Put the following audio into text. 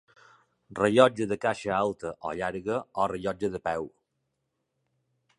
Rellotge de caixa alta o llarga o rellotge de peu.